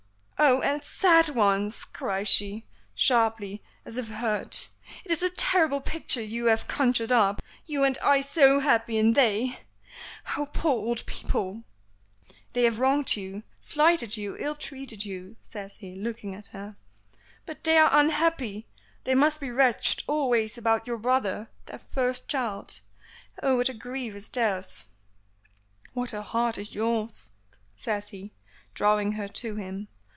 "Oh! and sad ones!" cries she, sharply, as if hurt. "It is a terrible picture you have conjured up. You and I so happy, and they Oh! poor old people!" "They have wronged you slighted you ill treated you," says he, looking at her. "But they are unhappy; they must be wretched always about your brother, their first child. Oh! what a grief is theirs!" "What a heart is yours!" says he, drawing her to him.